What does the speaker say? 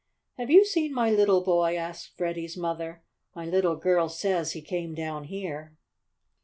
"Have you seen my little boy?" asked Freddie's mother. "My little girl says he came down here."